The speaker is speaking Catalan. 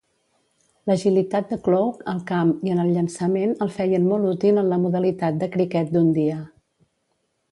L'agilitat de Clough al camp i en el llançament el feien molt útil en la modalitat de criquet d'un dia.